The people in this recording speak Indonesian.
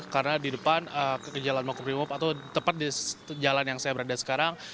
karena di depan jalan makobrimob atau tepat di jalan yang saya berada sekarang